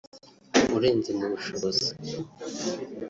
urenze mu bushobozi